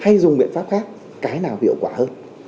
nếu có biện pháp cái nào hiệu quả hơn